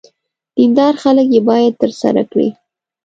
دیندار خلک یې باید ترسره کړي.